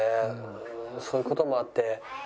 そういう事もあって。